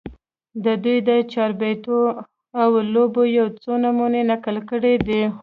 د دوي د چاربېتواو لوبو يو څو نمونې نقل کړي دي